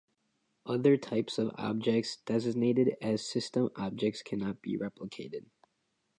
Other types of objects, designated as "system" objects cannot be replicated.